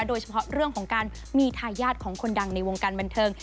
โดยเฉพาะเรื่องของการมีทายาทของคนดังในวงการบันเทิง